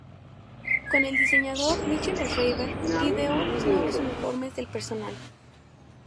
Con el diseñador Michel Schreiber, ideó los nuevos uniformes del personal.